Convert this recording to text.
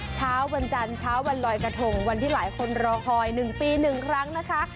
เช้าวันจันทร์เช้าวันลอยกระทงวันที่หลายคนรอคอย๑ปี๑ครั้งนะคะ